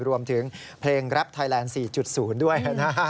รวมถึงเพลงแรปไทยแลนด์๔๐ด้วยนะฮะ